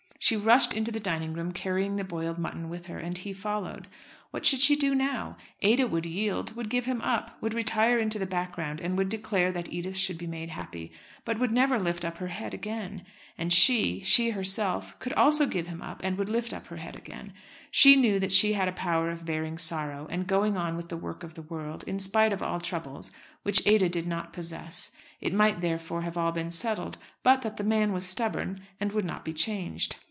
She rushed into the dining room carrying the boiled mutton with her, and he followed. What should she do now? Ada would yield would give him up would retire into the background, and would declare that Edith should be made happy, but would never lift up her head again. And she she herself could also give him up, and would lift up her head again. She knew that she had a power of bearing sorrow, and going on with the work of the world, in spite of all troubles, which Ada did not possess. It might, therefore, have all been settled, but that the man was stubborn, and would not be changed.